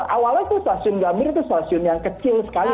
awalnya itu stasiun gambir itu stasiun yang kecil sekali